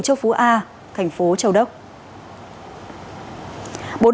châu phú a thành phố châu đốc